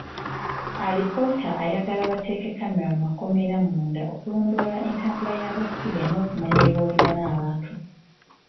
Alipoota eyagala bateeke kkamera mu makomera munda okulondoola entambula y'abasibe n'okumanya bye boogera n'abantu.